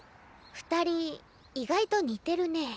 ２人意外と似てるねえ。